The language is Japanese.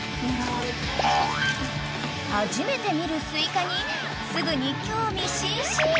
［初めて見るスイカにすぐに興味津々］